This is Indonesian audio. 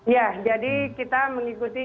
ya jadi kita mengikuti